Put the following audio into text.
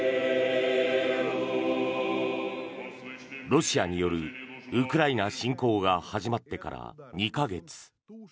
ロシアによるウクライナ侵攻が始まってから２か月。